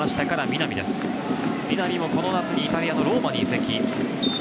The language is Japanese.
南も、この夏イタリアのローマに移籍。